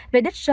về đích sớm hơn